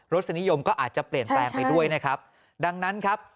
สนิยมก็อาจจะเปลี่ยนแปลงไปด้วยนะครับดังนั้นครับ